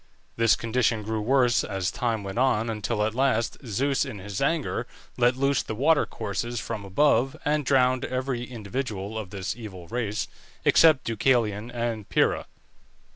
This condition grew worse as time went on, until at last Zeus in his anger let loose the water courses from above, and drowned every individual of this evil race, except Deucalion and Pyrrha.